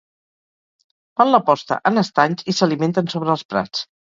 Fan la posta en estanys i s'alimenten sobre els prats.